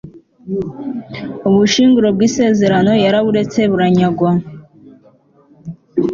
ubushyinguro bw'isezerano yaraburetse buranyagwa